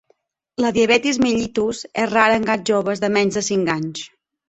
La diabetis mellitus és rara en gats joves de menys de cinc anys.